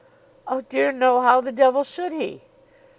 "Oh, dear no. How the devil should he?"